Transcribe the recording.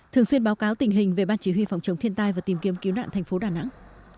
thường xuyên báo cáo tình hình về ban chỉ huy phòng chống thiên tai và tìm kiếm cứu nạn thành phố đà nẵng